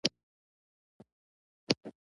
د فکر کړکۍ هغې خوا نه خلاصېږي